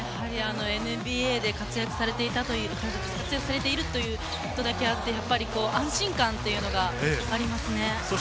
ＮＢＡで活躍されているということだけあって、安心感というのがありますね。